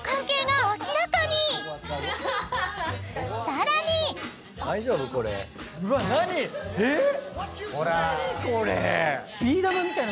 ［さらに］えっ！